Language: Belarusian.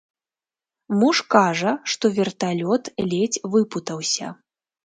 Муж кажа, што верталёт ледзь выпутаўся.